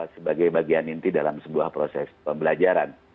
sebagai bagian inti dalam sebuah proses pembelajaran